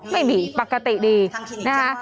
ไม่มีปกติดีนะคะ